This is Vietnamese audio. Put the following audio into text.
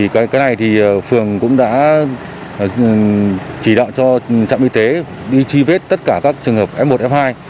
cái này thì phường cũng đã chỉ đạo cho trạm y tế đi truy vết tất cả các trường hợp f một f hai